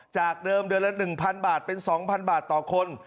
จากเดิมเดือนละ๑๐๐บาทเป็น๒๐๐บาทต่อคน